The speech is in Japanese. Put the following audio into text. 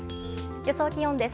予想気温です。